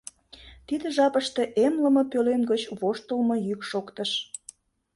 Тиде жапыште эмлыме пӧлем гыч воштылмо йӱк шоктыш.